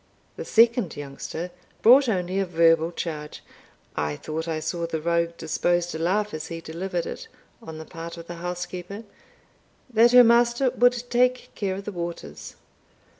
The second youngster brought only a verbal charge (I thought I saw the rogue disposed to laugh as he delivered it) on the part of the housekeeper, that her master would take care of the waters.